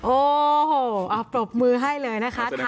โอ้โหปรบมือให้เลยนะคะ